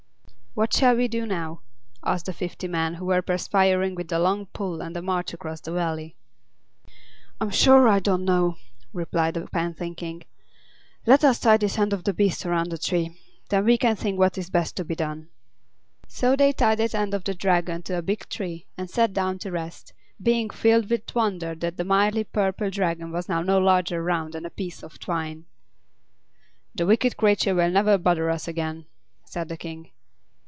"What shall we do now?" asked the fifty men, who were perspiring with the long pull and the march across the Valley. "I'm sure I don't know," replied the panting King. "Let us tie this end of the beast around a tree. Then we can think what is best to be done." So they tied that end of the Dragon to a big tree, and sat down to rest, being filled with wonder that the mighty Purple Dragon was now no larger around than a piece of twine. "The wicked creature will never bother us again," said the King.